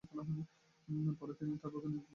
পরে, তিনি অন্যান্য বৈজ্ঞানিক সমস্যার দিকে মনোযোগ দেন।